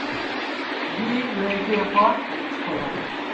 Ddi lwenteekwa okukikola?